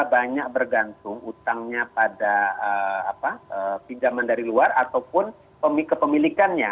banyak bergantung utangnya pada pinjaman dari luar ataupun kepemilikannya